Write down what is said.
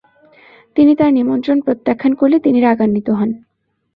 তিনি তার নিমন্ত্রণ প্রত্যাখান করলে তিনি রাগান্বিত হন।